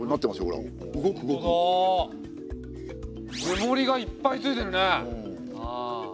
目盛りがいっぱいついてるね。